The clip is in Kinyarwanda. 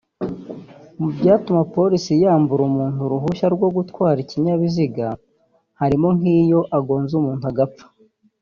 Mu byatuma polisi yambura umuntu uruhushya rwo gutwara ikinyabiziga harimo nk’iyo agonze umuntu agapfa